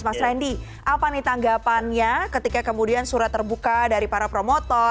mas randy apa nih tanggapannya ketika kemudian surat terbuka dari para promotor